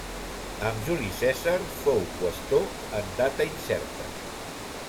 Amb Juli Cèsar fou qüestor en data incerta.